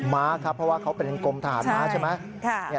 ม้าครับเพราะว่าเขาเป็นกรมทหารม้าใช่ไหม